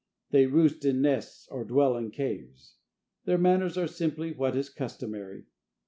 They roost in nests or dwell in caves. Their manners are simply what is customary.